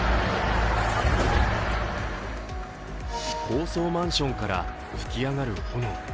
高層マンションから吹き上がる炎。